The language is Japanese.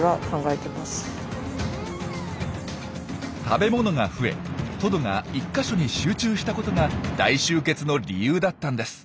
食べ物が増えトドが１か所に集中したことが大集結の理由だったんです。